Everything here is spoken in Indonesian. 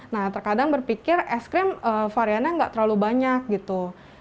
nah terkadang berpikir es krim variannya nggak terlalu banyak gitu